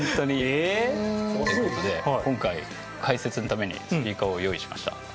ええっ？という事で今回解説のためにスピーカーを用意しました。